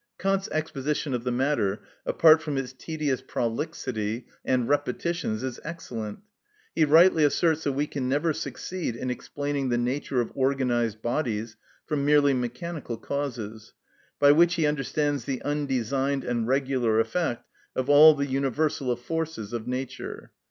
Kant's exposition of the matter, apart from its tedious prolixity and repetitions, is excellent. He rightly asserts that we can never succeed in explaining the nature of organised bodies from merely mechanical causes, by which he understands the undesigned and regular effect of all the universal forces of nature.